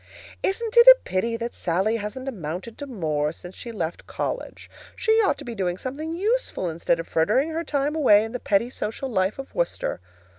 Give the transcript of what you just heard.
"Isn't it a pity that Sallie hasn't amounted to more since she left college? She ought to be doing something useful instead of frittering her time away in the petty social life of Worcester.